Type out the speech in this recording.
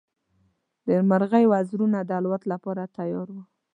د مرغۍ وزرونه د الوت لپاره تیار وو.